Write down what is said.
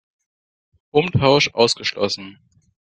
Umtausch ausgeschlossen!